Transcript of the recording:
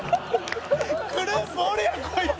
グループおれやこいつ。